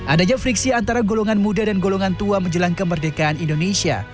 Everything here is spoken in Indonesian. adanya friksi antara golongan muda dan golongan tua menjelang kemerdekaan indonesia